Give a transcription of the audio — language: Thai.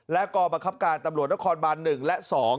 และกองประคับการตำรวจร้อนบัน๑และ๒